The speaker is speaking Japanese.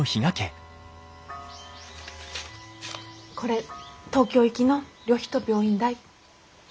これ東京行きの旅費と病院代。